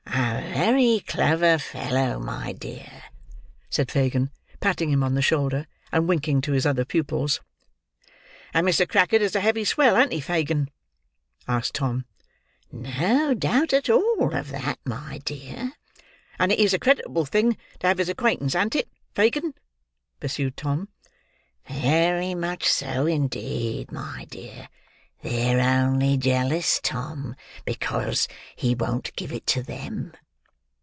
"A very clever fellow, my dear," said Fagin, patting him on the shoulder, and winking to his other pupils. "And Mr. Crackit is a heavy swell; an't he, Fagin?" asked Tom. "No doubt at all of that, my dear." "And it is a creditable thing to have his acquaintance; an't it, Fagin?" pursued Tom. "Very much so, indeed, my dear. They're only jealous, Tom, because he won't give it to them."